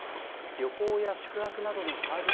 旅行や宿泊などのサービス